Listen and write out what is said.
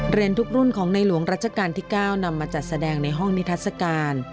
ทุกรุ่นของในหลวงรัชกาลที่๙นำมาจัดแสดงในห้องนิทัศกาล